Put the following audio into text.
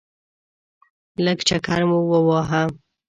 لږ چکر مو وواهه.